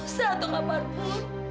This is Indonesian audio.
lo satu kapan pun